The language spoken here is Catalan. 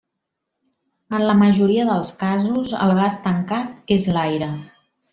En la majoria dels casos el gas tancat és l'aire.